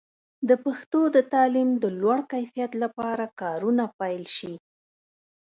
د پښتو د تعلیم د لوړ کیفیت لپاره کارونه پیل شي.